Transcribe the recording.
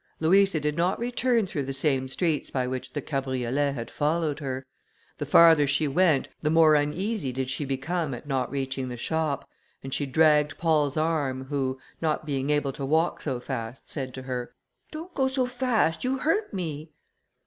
Louisa did not return through the same streets by which the cabriolet had followed her. The farther she went, the more uneasy did she become, at not reaching the shop, and she dragged Paul's arm, who, not being able to walk so fast, said to her, "Don't go so fast, you hurt me."